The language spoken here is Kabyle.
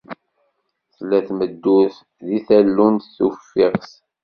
Tella tmeddurt deg tallunt tuffiɣt?